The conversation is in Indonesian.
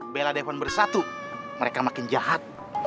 bella devon bersatu mereka makin jahat